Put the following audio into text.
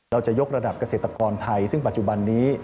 เราจะยกระดับเกษตรกรไทยซึ่งปัจจุบันนี้